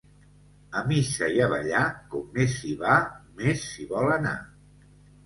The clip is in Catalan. A missa i a ballar, com més s'hi va, més s'hi vol anar.